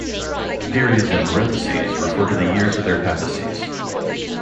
Periods in parentheses refer to the years of their papacies.